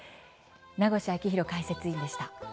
名越章浩解説委員でした。